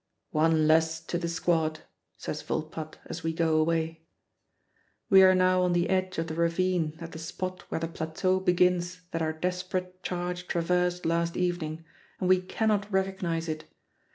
"One less to the squad!" says Volpatte as we go away. We are now on the edge of the ravine at the spot where the plateau begins that our desperate charge traversed last evening, and we cannot recognize it.